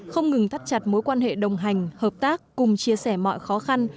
không ngừng thắt chặt mối quan hệ đồng hành hợp tác cùng chia sẻ mọi khó khăn